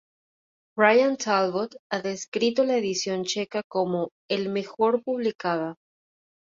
Bryan Talbot ha descrito la edición checa como "el mejor publicada".